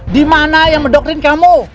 dimana yang mendokterin kamu